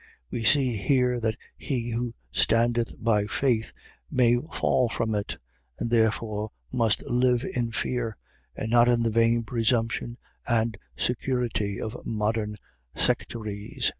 . .We see here that he who standeth by faith may fall from it; and therefore must live in fear, and not in the vain presumption and security of modern sectaries.